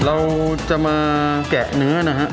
เราจะมาแกะเนื้อนะฮะ